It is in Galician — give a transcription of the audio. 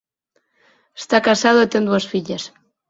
Está casado e ten dúas fillas.